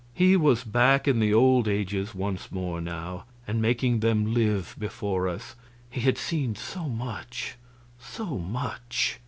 He was back in the old ages once more now, and making them live before us. He had seen so much, so much!